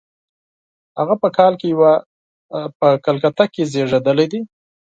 هغه په کال کې په کلکته کې زېږېدلی دی.